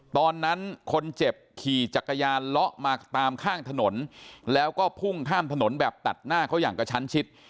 ตอนนั้นคนเจ็บขี่จักรยานเลาะมาตามข้างถนนแล้วก็พุ่งข้ามถนนแบบตัดหน้าเขาอย่างกระชั้นชิด